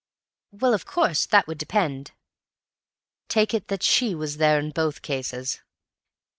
"Well; of course, that would depend—" "Take it that she was there in both cases."